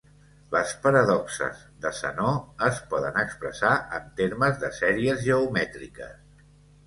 Les paradoxes de Zenó es poden expressar en termes de sèries geomètriques.